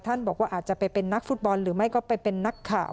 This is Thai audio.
บอกว่าอาจจะไปเป็นนักฟุตบอลหรือไม่ก็ไปเป็นนักข่าว